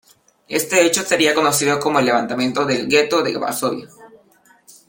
Este hecho sería conocido como el levantamiento del Gueto de Varsovia.